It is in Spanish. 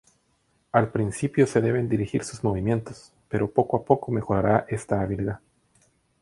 Al principio se deben dirigir sus movimientos, pero poco a poco mejorará esta habilidad.